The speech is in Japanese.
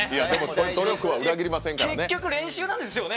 努力は裏切りませんからね。